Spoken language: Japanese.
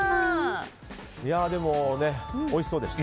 でもおいしそうでした。